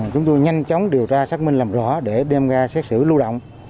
chúng tôi nhanh chóng điều tra xác minh làm rõ để đem ra xét xử lưu động